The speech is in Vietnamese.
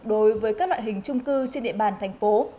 đối với các loại hình trung cư trên địa bàn thành phố